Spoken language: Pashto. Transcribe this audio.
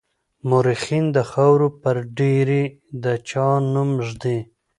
مورخين د خاورو پر ډېري د چا نوم ږدي.